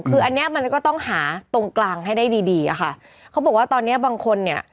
คืออันเนี้ยมันก็ต้องหาตรงกลางให้ได้ดีดีอะค่ะเขาบอกว่าตอนเนี้ยบางคนเนี่ย